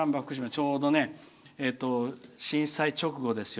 ちょうど、震災直後ですよ。